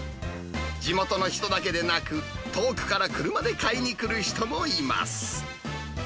地元の人だけでなく、遠くから車で買いに来る人もいます。